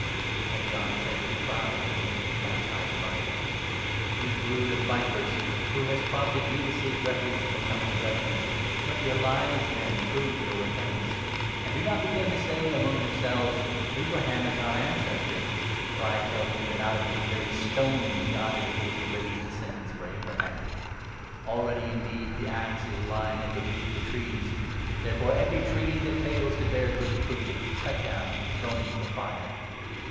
' 6 And John said to the crowds that went to be baptized by 7 him :" You brood of vipers ! who has prompted you to seek refuge from the coming judgement ? Let your lives, then, prove your 8 K i Sam. 2. 36. 4— * Isa. 40. 3—5. 110 LUKE, 3. repentance ; and do not begin to say among yourselves ' Abraham is our ancestor,' for I tell you that out of these very stones God is able to raise descendants for Abraham ! Already, 9 indeed, the axe is lying at the root of the trees. Therefore every tree that fails to bear good fruit will be cut down and thrown into the fire."